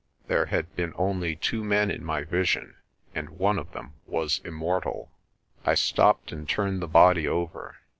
There had been only two men in my vision and one of them was immortal. I stopped and turned the body over.